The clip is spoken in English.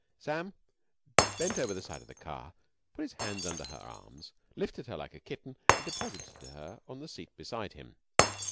Sam bent over the side of the car, put his hands under her arms, lifted her like a kitten and deposited her on the seat beside him.